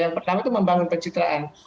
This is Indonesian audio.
yang pertama itu membangun pencitraan